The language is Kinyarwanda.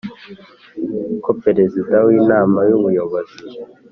Ko perezida w inama y ubuyobozi